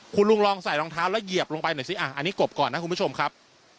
คุณลุงลองใส่รองเท้าแล้วเหยียบลงไปหน่อยสิอันนี้กบก่อนนะคุณผู้ชมครับ